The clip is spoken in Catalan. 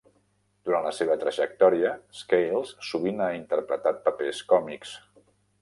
Durant la seva trajectòria, Scales sovint ha interpretat papers còmics.